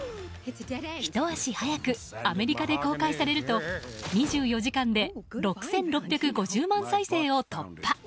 ひと足早くアメリカで公開されると２４時間で６６５０万再生を突破。